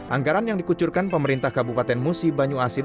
anggaran yang dikucurkan pemerintah kabupaten musi banyu asin